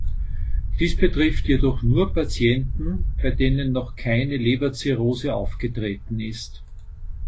Dies betrifft jedoch nur Patienten, bei denen noch keine Leberzirrhose aufgetreten ist.